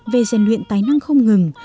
về giàn luyện tài năng không ngừng